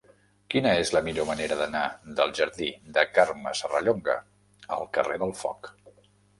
Quina és la millor manera d'anar del jardí de Carme Serrallonga al carrer del Foc?